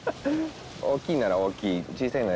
大きいなら大きい小さいなら